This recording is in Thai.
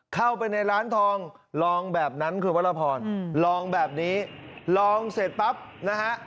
เข้าไปในร้านทองลองแบบนั้นคุณวรพรลองแบบนี้ลองเสร็จปั๊บนะฮะ